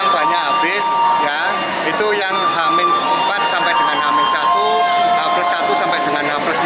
banyak habis ya itu yang h empat sampai dengan h satu h satu sampai dengan h tiga